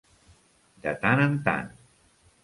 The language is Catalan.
De tant en tant.